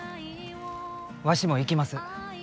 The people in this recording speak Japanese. わしも行きます。